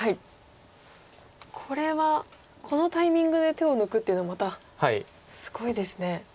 これはこのタイミングで手を抜くっていうのはまたすごいですね。